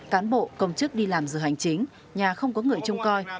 cán bộ công chức đi làm dự hành chính nhà không có người chung coi